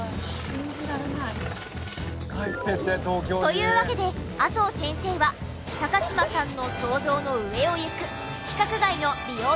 というわけで麻生先生は高嶋さんの想像の上をいく規格外の美容整形外科医でした。